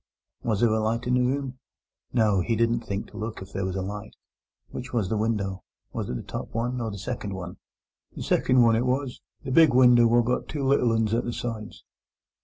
Was there a light in the room? No, he didn't think to look if there was a light. Which was the window? Was it the top one or the second one? The seckind one it was—the big winder what got two little uns at the sides.